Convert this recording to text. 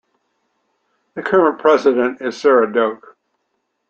The current president is Sara Doke.